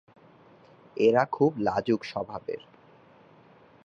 এরা খুব লাজুক স্বভাবের।